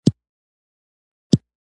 هغه داسې کتل لکه د کلي دیدار ته چې تږی وي